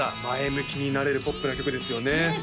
前向きになれるポップな曲ですよねねえ